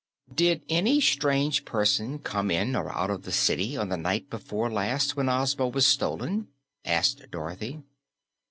"Did any strange person come in or out of the city on the night before last when Ozma was stolen?" asked Dorothy.